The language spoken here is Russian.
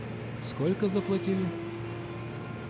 Сколько заплатили?